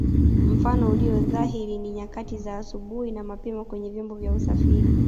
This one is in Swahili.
Mfano ulio dhahiri ni nyakati za asubuhi na mapema kwenye vyombo vya usafiri